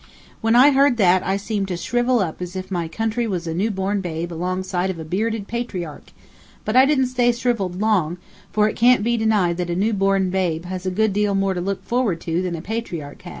When I heard that I seemed to shrivel up as if my country was a new born babe alongside of a bearded patriarch; but I didn't stay shrivelled long, for it can't be denied that a new born babe has a good deal more to look forward to than a patriarch has.